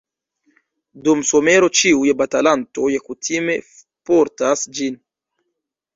Dum somero ĉiuj batalantoj kutime portas ĝin.